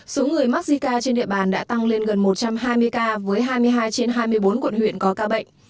số người mắc zika trên địa bàn đã tăng lên gần một trăm hai mươi ca với hai mươi hai trên hai mươi bốn quận huyện có ca bệnh